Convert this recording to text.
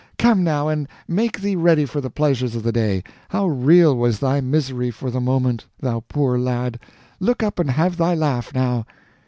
Come, now, and make thee ready for the pleasures of the day. How real was thy misery for the moment, thou poor lad! Look up and have thy laugh, now!"